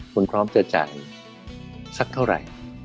คุณพร้อมจะจ่ายสักเท่าไหร่